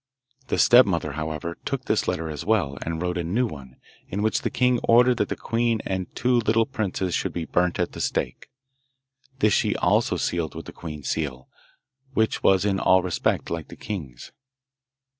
The stepmother, however, took this letter as well, and wrote a new one, in which the king ordered that the queen and the two little princes should be burnt at the stake. This she also sealed with the queen's seal, which was in all respects like the king's.